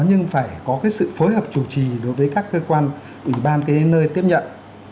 nhưng phải có cái sự phối hợp chủ trì đối với các cơ quan ủy ban nơi tiếp nhận